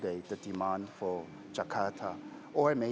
bagaimana cara kita membuat